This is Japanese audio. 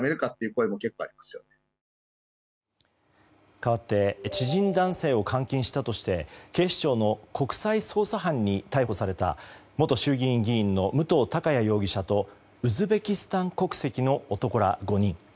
かわって知人男性を監禁したとして警視庁の国際捜査班に逮捕された元衆議院議員の武藤貴也容疑者とウズベキスタン国籍の男ら５人。